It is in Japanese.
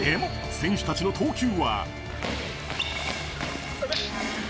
選手たちの投球は。